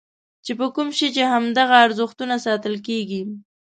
چې په کوم شي چې همدغه ارزښتونه ساتل کېږي.